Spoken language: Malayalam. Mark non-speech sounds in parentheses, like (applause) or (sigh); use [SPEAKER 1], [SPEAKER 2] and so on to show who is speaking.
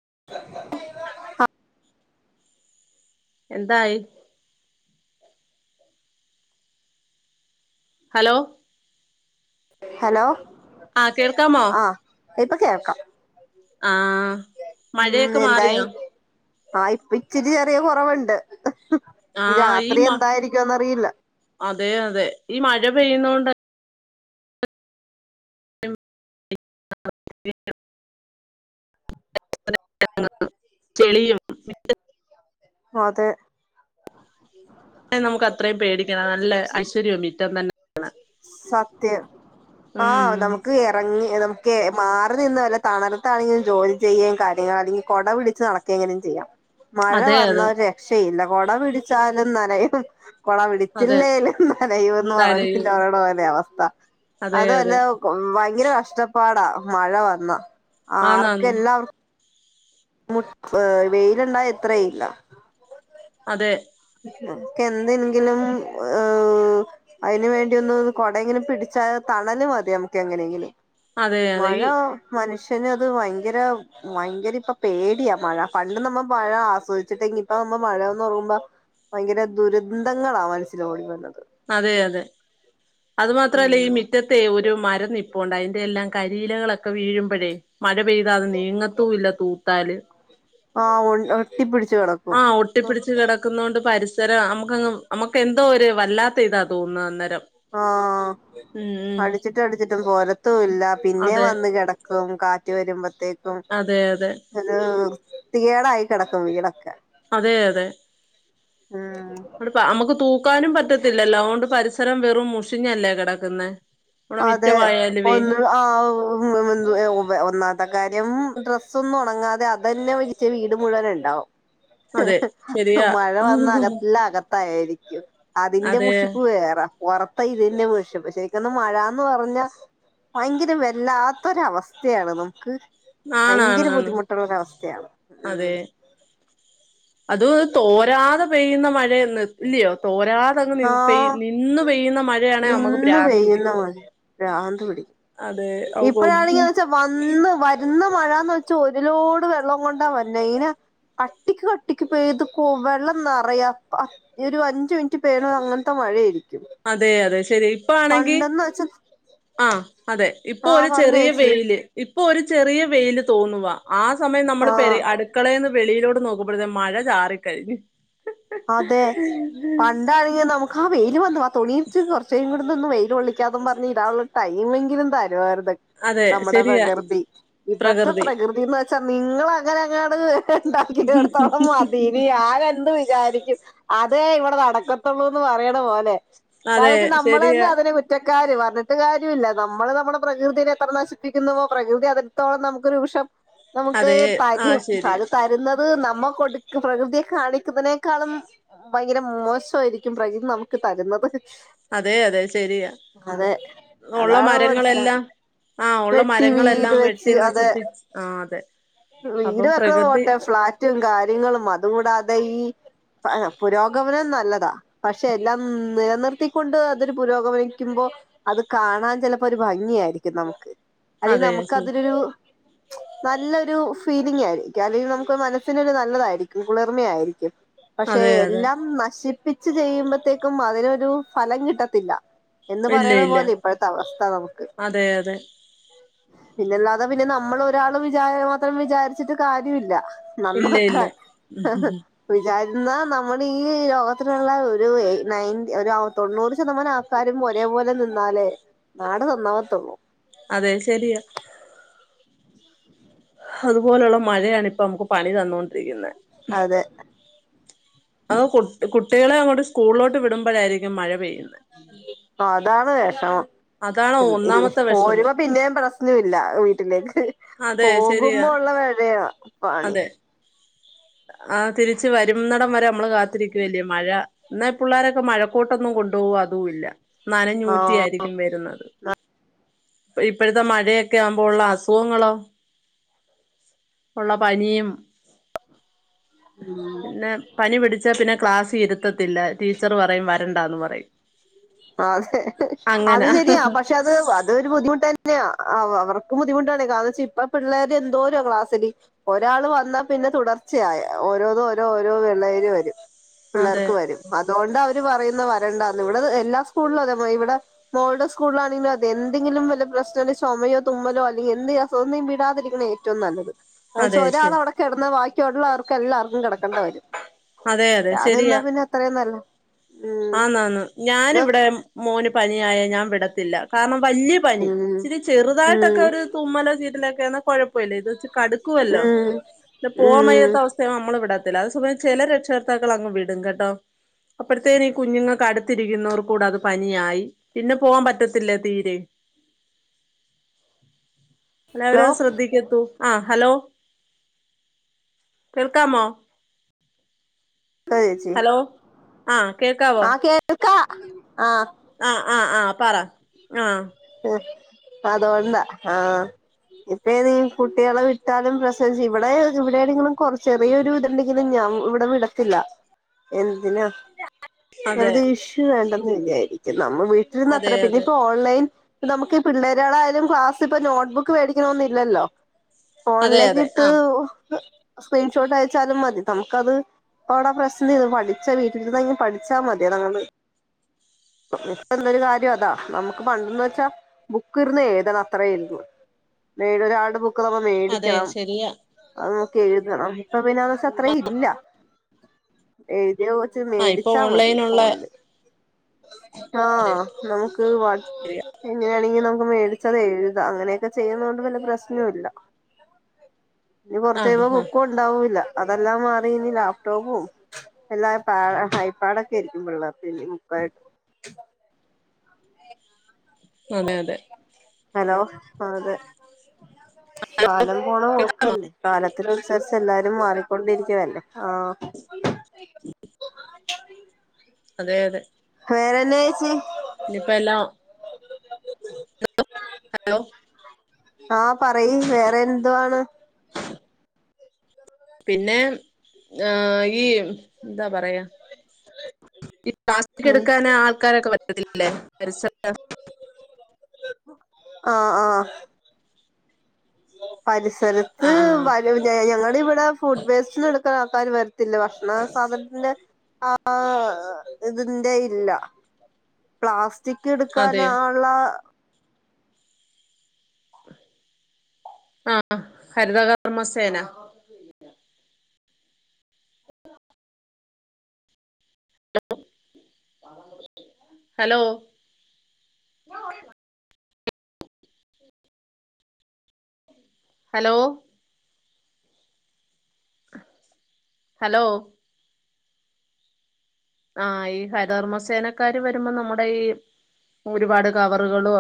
[SPEAKER 1] (inaudible)
[SPEAKER 2] എന്തായി ഹലോ
[SPEAKER 1] ഹലോ
[SPEAKER 2] ആ കേൾക്കാമോ
[SPEAKER 1] ആ ഇപ്പൊ കേൾക്കാം
[SPEAKER 2] ആഹ മഴയൊക്കെ മാറിയോ
[SPEAKER 1] ആഹ് ഇപ്പ ഇച്ചിരി ചെറിയ കുറവുണ്ട്
[SPEAKER 2] ആ ഈ
[SPEAKER 1] രാത്രി
[SPEAKER 2] മ
[SPEAKER 1] എന്തായിരിക്കുംന്നറിയില്ല
[SPEAKER 2] അതെ അതെ ഈ മഴ പെയ്യുന്നോണ്ട് (unintelligible) ചെളിയും
[SPEAKER 1] അതെ
[SPEAKER 2] നമുക്ക് അത്രയും പേടിക്കണം നല്ല ഐശ്വര്യവാ മിറ്റം ത്തന്നെ
[SPEAKER 1] സത്യം ആഹ
[SPEAKER 2] ഉം
[SPEAKER 1] നമുക്ക് ഇറങ്ങി നമുക്ക്മാ (unintelligible) മഴ
[SPEAKER 2] അതെ
[SPEAKER 1] വന്ന
[SPEAKER 2] അതെ
[SPEAKER 1] രക്ഷയില്ല കൊട പിടിച്ചാലും നനയും കൊട
[SPEAKER 2] അതെ
[SPEAKER 1] പിടിച്ചില്ലേലും നനയുമെന്ന് പറഞ്ഞു
[SPEAKER 2] എന്താലയു
[SPEAKER 1] ലോരുടെ പോലെ അവസ്ഥ
[SPEAKER 2] അതെ
[SPEAKER 1] അതു അ ല്ല
[SPEAKER 2] അതെ
[SPEAKER 1] ഭയങ്കര കഷ്ടപ്പാടാ മഴ വന്നാ
[SPEAKER 2] ആന്നാന്ന്
[SPEAKER 1] ആർക്കെല്ലാം മുൻ വെയിലുണ്ടായ ഇത്രയില്ല
[SPEAKER 2] അതെ
[SPEAKER 1] നക്ക എന്തെങ്കിലുംഉം അതിന് വേണ്ടി ഒന്ന് കൊടെങ്കിലും പിടിച്ചാത്ത കണല് മതി നമുക്ക് എങ്ങനെയെങ്കിലും
[SPEAKER 2] അതെ അതെ
[SPEAKER 1] മഴ
[SPEAKER 2] ഈ
[SPEAKER 1] മനുഷ്യ പക്ഷ അത് ഭയങ്കര ഭയങ്കര ഇപ്പ പേടിയാ മഴ പണ്ട് നമ്മ മഴ ആസ്വദിച്ചിട്ടെങ്കി ഇപ്പം ഇപ്പ മഴന്ന് പറയുമ്പോ ഭയങ്കര ദുരന്തങ്ങളാണ് മനസ്സൽ ഓടി വന്നത്.
[SPEAKER 2] അതെ അതെ അത് മാത്രല്ല ഈ മി റ്റത്തെ ഒരു മരന്നിപ്പുണ്ടായിന് അതിന്റെയെല്ലാം കരിയിലകളൊക്കെ വീഴുമ്പോഴേ മഴ പെയ്താ അത് നീങ്ങത്തൂല്ല തൂത്താല്
[SPEAKER 1] ആഹ് ഒ ഒട്ടിപ്പിടിച്ച് കിടക്കും
[SPEAKER 2] ആ ഒട്ടിപ്പിടിച്ചു കിടക്കുന്ന കൊണ്ട് പരി സരം നമുക്കങ്ങ് നമുക്ക് എന്തോ ഒരു വല്ലാത്ത ഇതാ തോന്നുന്നത് അന്നേരം.
[SPEAKER 1] ആഹ്..
[SPEAKER 2] ഉം ഉം
[SPEAKER 1] അടിച്ചിട്ടും അടിച്ചിട്ടും പോരത്തും ഇല്ല പിന്നെ
[SPEAKER 2] അതെ
[SPEAKER 1] വന്ന് കിട ക്കും കാറ്റ് വരുമ്പോത്തേക്കും
[SPEAKER 2] അതെ അതെ
[SPEAKER 1] ഒരു വൃത്തികേടായി കിടക്കും വീടൊക്കെ
[SPEAKER 2] അതെ അതെ
[SPEAKER 1] ഉം
[SPEAKER 2] നമുക്ക് തൂക്കാനും പറ്റത്തില്ലല്ലോ അതുകൊണ്ട് പരിസരം വെറുംമുഷി ഞല്ലേ കിടക്കുന്നെ.
[SPEAKER 1] അതെ ഒന്ന് ആ ഒന്നമതേ കാര്യം ഡ്രസ്സോന്നും ഒണങ്ങാതെ അതന്നെ വലിച്ച് വീട് മുഴുവൻ ഇണ്ടാവും.
[SPEAKER 2] അതെ ശരിയാ
[SPEAKER 1] മഴ വന്ന അകത് എല്ലാ അകത് ത്തായിരിക്കും... അതിന്റെ
[SPEAKER 2] അതെ
[SPEAKER 1] മുഷിപ്പ് വേറെ പൊറത്തെ ഇതിന്റെ മുഷിപ്പ് ശരിക്കൊന്നും മഴന്ന് പറഞ്ഞാ ഭയങ്കര വല്ലാത്തൊരവസ്ഥയാണ് നമുക്ക്.. ഭയങ്കര
[SPEAKER 2] ആണാണാണ്
[SPEAKER 1] ബുദ്ധിമുട്ടുള്ളൊരവസ്ഥയാണ്. ഉം.
[SPEAKER 2] അതും തോരാതെ പെയ്യുന്ന മഴെന്ന്.. ഇല്യോ തോ
[SPEAKER 1] ആഹ്
[SPEAKER 2] മഴയാണെ നമുക്ക്
[SPEAKER 1] നിന്ന്
[SPEAKER 2] ഭ്രാന്ത്
[SPEAKER 1] പെയ്യുന്ന
[SPEAKER 2] പിടിക്കും
[SPEAKER 1] മാതിരി. പ്രാന്ത് പിടിക്കും.
[SPEAKER 2] അതെ
[SPEAKER 1] ഇപ്പഴാണെങ്കിന്ന് വെച്ചാ വന്ന് വരുന്ന മഴന്ന് വെച്ച ഒരിലോട് വെള്ളോം കൊണ്ടാ വരുന്നേ ഇനെ കട്ടിക്ക് കട്ടിക്ക് പെയ്ത് വെള്ളം നെറയ.. ഒരു അഞ്ച് മിനിറ്റ് പെയ്യണത് അങ്ങനത്തെ മഴയയിരിക്കും
[SPEAKER 2] അതെ അതെ ശരി ഇപ്പ ആണെങ്കി
[SPEAKER 1] വെച്ചാ
[SPEAKER 2] ആഹ് അതെ. ഇപ്പൊ ഒരു
[SPEAKER 1] ആഹ് പറഞ്ഞോ
[SPEAKER 2] ചെറിയ
[SPEAKER 1] ചേച്ചി
[SPEAKER 2] വെയില് ഇപ്പൊ ഒരു ചെറിയ വെയില് തോന്നുവാ. ആ സമയം നമ്മൾ
[SPEAKER 1] ആഹ്
[SPEAKER 2] പെരെ അടുക്കളെന്ന് വെളിയിലോട്ട് നോക്കുമ്പോഴത്തെ മഴ ചാറിക്കഴിഞ്ഞു.
[SPEAKER 1] അതെ പണ്ടാണെങ്കി നമുക്ക് ആ വെയില് വന്ന് ആ തുണിയിച്ച് കുറച്ചും കൂടി ന്നൊന്നും വെയിലൊള്ളിക്കാന്നും പറഞ്ഞ് ഇടാനൊള്ളരു ടൈമെങ്കിലും തരുആയിരുന്നു.
[SPEAKER 2] അതെ
[SPEAKER 1] നമ്മുടെ
[SPEAKER 2] ശരിയാ
[SPEAKER 1] പ്രകൃതി ഇവിടുത്തെ
[SPEAKER 2] പ്രകൃതി
[SPEAKER 1] പ്രകൃതിന്ന് വെച്ചാ നിങ്ങളങ്ങനെ അങ്ങാട് ഉണ്ടാക്കിടത്തോള മതീന്ന്.. ഞാനെന്ത് വിചാ അതെ ഇവിടെ നടക്കത്തുള്ളൂന്ന് പറയണ പോലെ...
[SPEAKER 2] അതെ
[SPEAKER 1] കാരണന്ന് വെച്ച നമ്മള് തന്നെ
[SPEAKER 2] ശരിയാ
[SPEAKER 1] അതിന് കുറ്റ കാര് പറഞ്ഞിട്ട് കാര്യല്ല.. നമ്മള് നമ്മുടെ പ്രകൃതിയെ എത്ര നശിപ്പിക്കുന്നുവോ പ്രകൃതി അതിടത്തോളം നമുക് രോഷം നമുക്ക്
[SPEAKER 2] അതെ ആഹ്
[SPEAKER 1] തരും
[SPEAKER 2] ശരിയാ
[SPEAKER 1] അത് തരുന്നത് നമ്മ കൊടുക്ക് പ്രകൃതിയെ കാണിക്കുന്നതിനെ ക്കാളും ഭയങ്കര മോഷൊയിരിക്കും പ്രകൃതി നമുക്ക് തരുന്നത്.
[SPEAKER 2] അതെ അതെ ശെരിയ
[SPEAKER 1] അതെ
[SPEAKER 2] ഒള്ള
[SPEAKER 1] അതാണ്
[SPEAKER 2] മരങ്ങളെല്ലാം
[SPEAKER 1] മനസ്സിലാക്കുന്നത്
[SPEAKER 2] ആഹ് ഒള്ള
[SPEAKER 1] വെട്ടി
[SPEAKER 2] മരങ്ങളെല്ലാം
[SPEAKER 1] വീട്
[SPEAKER 2] വെട്ടി
[SPEAKER 1] വെച്ച് അതെ
[SPEAKER 2] നശിപ്പിച്ച് ആ അതെ.
[SPEAKER 1] വീട്
[SPEAKER 2] അപ്പം
[SPEAKER 1] വെക്കണ
[SPEAKER 2] പ്രകൃതി
[SPEAKER 1] പോട്ടെ ഫ്ലാറ്റും കാര്യങ്ങളും അത് കൂടാതെ ഈ ആ പുരോഗമനം നല്ലതാ. പക്ഷെ എല്ലാം നിലനിർത്തിക്കൊണ്ട് അതൊരു പുരോഗമനക്കും അപ്പോ അത് കാണാൻ ചിലപ്പോ ഒരു ഭംഗിയാരിക്കും നമുക്ക്. അല്ലെൽ
[SPEAKER 2] അതെ
[SPEAKER 1] നമുക്ക്
[SPEAKER 2] ശരി
[SPEAKER 1] അതിലൊരു
[SPEAKER 2] (unintelligible)
[SPEAKER 1] നല്ലൊരു ഫീലിംങായിരിക്കും അല്ലെങ്കിൽ നമുക്ക് മനസ്സിനൊരു നല്ലതായിരിക്കും. കുളിർമയായിരിക്കും. പക്ഷെ
[SPEAKER 2] അതെ അതെ
[SPEAKER 1] എല്ലാം നശിപ്പിച്ച് ചെയ്യുമ്പോത്തേക്കും അതിനൊരു ഫലം കിട്ടത്തില്ല. എന്ന്
[SPEAKER 2] ഇല്ല
[SPEAKER 1] പറയണ
[SPEAKER 2] ഇല്ല
[SPEAKER 1] പോലെ ഇപ്പോഴത്തെ അവസ്ഥ നമുക്ക്.
[SPEAKER 2] അതെ അതെ
[SPEAKER 1] പിന്നല്ലാതെ.. പിന്നെ നമ്മളോരാള് വിചാര മാത്രം വിചാരിച്ചിട്ട് കാര്യോം ഇല്ല.
[SPEAKER 2] ഇല്ല ഇല്ല
[SPEAKER 1] നന്നാക്കാൻ
[SPEAKER 2] ഉം,
[SPEAKER 1] വിചാരിച് എന്നാ നമ്മള് ഈ ലോകത്തിലുള്ള ഒരു എ നയൻ ഒര് തൊണ്ണൂറ് ശതമാനം ആൾക്കാരും ഒരേ പോലെ നിന്നാലേ നാട് നന്നാവത്തൊള്ളൂ.
[SPEAKER 2] അതെ ശരിയാ. അതുപോലുള്ള മഴയാണ് ഇപ്പ നമുക്ക് പണി തന്നോണ്ടിരിക്കുന്നെ.
[SPEAKER 1] അതേ
[SPEAKER 2] അത് കുട്ടികളെ അങ്ങോട്ട് സ്കൂളിലോട്ട് വിടുമ്പോഴായിരിക്കും മഴ പെയ്യുന്നെ.
[SPEAKER 1] ആ അതാണ് വെഷമം.
[SPEAKER 2] അതാ
[SPEAKER 1] ണ് പോരുമ്പോ പിന്നേം പ്രശ്നം ഇല്ല വീട്ടിലേക്ക്
[SPEAKER 2] അതെ
[SPEAKER 1] പോകുമ്പോ
[SPEAKER 2] ശരിയാ
[SPEAKER 1] ഉള്ള (unintelligible) പണി.
[SPEAKER 2] അതെ ആ തിരിച്ച് വരുന്നണം വരെ നമ്മള് കാത്തിരിക്കുവല്ലേ മഴ എന്നാ ഇ പിള്ളാരൊക്കെ മഴക്കോട്ടൊന്നും കൊ കൊണ്ട് പോകുവോ അതും ഇല്ല നനഞ്ഞൂറ്റി
[SPEAKER 1] ആഹ്
[SPEAKER 2] ആയിരിക്കും വരുന്നത്. ഇപ്പഴത്തെ മഴയൊക്കെ ആവുമ്പോ ഉള്ള അസുഖങ്ങളോ ഉള്ള പനിയും
[SPEAKER 1] ഉം
[SPEAKER 2] പിന്നെ പനി പിടിച്ചാ പിന്നെ ക്ലാസിൽ ഇരുത്തത്തില്ല ടീച്ചർ പറയും വരണ്ടാന്ന് പറയും.
[SPEAKER 1] അ അതെ അത്
[SPEAKER 2] അങ്ങനാ
[SPEAKER 1] ശരിയാ പക്ഷെ അത് അതും ഒരു ബുദ്ധിമുട്ട് ത ന്നെയാ അവ അവർക്കും ബുദ്ധിമുട്ടാണ് കാരണം എന്താന്ന് വെച്ചാ ഇപ്പോ പിള്ളേര് എന്തോരോ ക്ലാസ്സില് ഒരാള് വന്നാ പി ന്നെ തുടർച്ചയായ ഓരോ ഓരോ ഓരോ പിള്ളേര് വരും
[SPEAKER 2] അതെ
[SPEAKER 1] പിള്ളേർക്ക് വരും അതുകൊണ്ടാ അവര് പറയുന്നേ വരണ്ടാന്ന് ഇവിടെ എല്ലാ സ്കൂളിലും അതെ മാം ഇവിടെ മോളുടെ സ്കൂലാണെങ്കിലും അതേ എന്തെങ്കിലും വല്ല പ്രശ്നം ഉണ്ടെങ്കിൽ ചുമയോ തുമ്മലോ അല്ലെ ങ്കിൽ ഒന്നും വിടാതിരിക്കണതാ ഏറ്റവും നല്ലത് അതെന്താന്ന് വെച്ചാ
[SPEAKER 2] അതെ
[SPEAKER 1] ഒരാള്
[SPEAKER 2] ശരി
[SPEAKER 1] അവിടെ കെടന്നാൽ ബാക്കിയൊള്ളവർക്ക് എല്ലാർക്കും കിടക്കേണ്ട വരും
[SPEAKER 2] അതെ അതെ
[SPEAKER 1] വരാതിരുന്നാ
[SPEAKER 2] ശരിയാ
[SPEAKER 1] പിന്നെ അത്രയും നല്ലതാ
[SPEAKER 2] ആന്നാന്ന് ഞാനവിടെ മോന് പനിയായ ഞാൻ വിടത്തില്ല കാരണം വല്ല്യ പനി
[SPEAKER 1] ഉം
[SPEAKER 2] ഇച്ചിരി ചെറുതായിട്ടൊക്കെ
[SPEAKER 1] ഉം
[SPEAKER 2] ഒരു തുമ്മലോ ചീറ്റലോ ഒക്കെ ആണേൽ കുഴപ്പമില്ല ഇത് കടുക്കുവല്ലോ
[SPEAKER 1] ഉം
[SPEAKER 2] പിന്നെ പോവാൻ
[SPEAKER 1] ഉം
[SPEAKER 2] വയ്യാത്ത അവസ്ഥയാവുമ്പോ നമ്മള് വിടാ അതേ സമയം ചില രക്ഷകർത്താക്കള് അങ്ങ് വിടും കേട്ടോ അപ്പ ത്തേനും ഈ കുഞ്ഞുങ്ങക്ക് അടുത്തിരിക്കുന്നവർക്ക്‌ കൂടെ അത് പനിയായി പിന്നെ പോവാൻ പറ്റത്തില്ലേ തീരെ അല്ല
[SPEAKER 1] ഹലോ
[SPEAKER 2] അവരത് ശ്രദ്ധിക്കത്തു ആ ഹലോ കേൾക്കാമോ
[SPEAKER 1] ആ ചേച്ചി
[SPEAKER 2] ആ കേൾക്കാവോ
[SPEAKER 1] ആ കേൾക്കാ ആ
[SPEAKER 2] ആ ആ ആ പറ ആ
[SPEAKER 1] അതുകൊണ്ടാ ആ ഇപ്പോ ഇനി കുട്ടികളെ വിട്ടാലും പ്രെശനവാ ഇവിടെ ഇവിടെ ഏതെങ്കിലും കുറച്ച് ചെറിയൊരു ഇതുണ്ടെങ്കിലും ഞാ ൻ ഇവിടെ വിടത്തില്ല എ അതിന്
[SPEAKER 2] അതെ
[SPEAKER 1] പ്രതീക്ഷ വേണ്ടെന്ന് വിചാരിക്കുന്നു നമ്മൾ വീട്ടിലിരുന്ന് അത്ര
[SPEAKER 2] അതെ
[SPEAKER 1] പിന്നെ
[SPEAKER 2] അതെ
[SPEAKER 1] ഇപ്പോ ഓൺലൈൻ നമുക്ക് ഈ പിള്ളാരോടായാലും ക്ലാസ് ഇപ്പൊ നോട്ട് ബുക്ക് മേടിക്കണോന്ന് ഇല്ലല്ലോ
[SPEAKER 2] അതെ
[SPEAKER 1] ഫോണിലേക്ക്
[SPEAKER 2] അതെ
[SPEAKER 1] ഇട്ട്
[SPEAKER 2] ആഹ്
[SPEAKER 1] സ്ക്രീൻഷോട്ട് അയച്ചാലും മതി നമുക്കത് അപ്പോ അവിടെ പ്രശ്നമില്ല പഠിച്ച വീട്ടിലിരുന്നാണേലും പഠിച്ചാ മതി (unintelligible) ഇപ്പം ഉള്ളൊരു കാര്യം അതാ നമുക്ക് പണ്ടെന്ന് വെ ച്ചാ ബുക്ക് ഇരുന്ന് എഴുതണം അത്രേയുള്ളൂ വേറൊരാളുടെ ബു ക്ക്‌ നമ്മള്
[SPEAKER 2] അതെ
[SPEAKER 1] മേടിക്കണം
[SPEAKER 2] ശരിയാ
[SPEAKER 1] അത് നോക്കി എഴുതണം ഇപ്പൊ പിന്നെ അതൊക്കെ അത്രയും ഇല്ല എഴുതിയാ കുറച്ച്
[SPEAKER 2] ആ ഇപ്പൊ
[SPEAKER 1] മേടിച്ചാ മതി
[SPEAKER 2] ഓൺലൈനുള്ള
[SPEAKER 1] ഫോണില് ആ
[SPEAKER 2] അതെ
[SPEAKER 1] നമുക്ക് വാ
[SPEAKER 2] ശരിയാ
[SPEAKER 1] ങ്ങി നമുക്ക് മേടിച്ചത് എഴുതാം അങ്ങനെയൊക്കെ ചെയ്യുന്ന കൊണ്ട് പിന്നെ പ്രശ്നം ഇല്ല ഇനി
[SPEAKER 2] ആ
[SPEAKER 1] കുറച്ച് കഴിയുമ്പോ
[SPEAKER 2] ആ
[SPEAKER 1] ബുക്കും ഉണ്ടാവൂല്ല അതെല്ലാം മാറി ഇനി ലാപ്ടോപ്പും എല്ലാ പാ ഹൈപ്പാടൊക്കെ ഇരിക്കുമ്പോള്ള പി (unintelligible)
[SPEAKER 2] അതെ അതെ
[SPEAKER 1] ഹലോ അ അതെ കാലം പോണ (unintelligible) കാല (unintelligible) എല്ലാരും മാറിക്കൊണ്ടിരിക്കുവല്ലേ ആ
[SPEAKER 2] അതെ അതെ
[SPEAKER 1] വേറെ എന്നാ ചേച്ചി
[SPEAKER 2] ഇഞ്ഞിപ്പ എല്ലാം ഹലോ ഹലോ
[SPEAKER 1] ആഹ പറയി വേറെ എന്തുാണ്
[SPEAKER 2] പിന്നെ ഹാ ഈ എന്താ പറയാ ഈ പ്ലാസ്റ്റിക്
[SPEAKER 1] ഉം
[SPEAKER 2] എടുക്കാന് ആൾക്കാരൊക്കെ പറ്റത്തില്ലേ പരിസ
[SPEAKER 1] ആഹ ആഹ പരിസരത്ത്
[SPEAKER 2] ആ
[SPEAKER 1] വരൂലെ ഞങ്ങൾ ഇവിടെ ഫുഡ് വേസ്റ്റ്എടുക്ക്ണ ആൾക്കാർ വരു ത്തില്ല ഭക്ഷണ സാധനത്തിന്റെ അ ആ ഇതിന്റെ ഇല്ല പ്ലാസ് ഒറ്റക്ക് എടുക്കൻ
[SPEAKER 2] അതെ
[SPEAKER 1] ആള്ള
[SPEAKER 2] ആഹ ഹരിതകർമ്മസേന (inaudible) ഹലോ (unintelligible) ഹലോ ഹലോ ആഹ, ഈ ഹരധർമ്മസേനക്കാര് വരുമ്പോ നമ്മുടെ ഈ ഒരുപാട് കവറുകളും